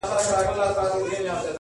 نه په زړه رازونه پخواني لري-